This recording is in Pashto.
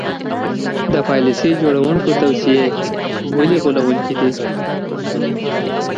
د پالیسي جوړوونکو توصیې ولې غولوونکې دي.